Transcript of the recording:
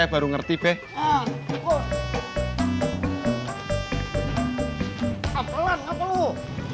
baru ngerti pah pelan pelan lu